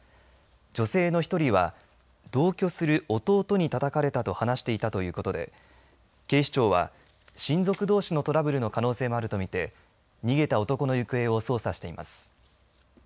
女性の１人は同居する弟にたたかれたと話していたということで警視庁は親族どうしのトラブルの可能性もあると見て逃げた男の行方を捜査しています。